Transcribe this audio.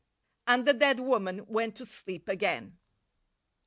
And the dead woman went to sleep again.